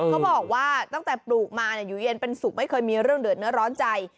เขาบอกว่าตั้งแต่ปลูกมาอยู่เย็นเป็นสุขไม่เคยมีเรื่องเดือดเนื้อร้อนใจ